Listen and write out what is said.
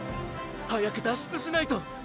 早く脱出しないと！